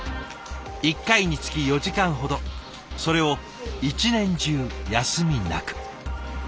１回につき４時間ほどそれを一年中休みなく。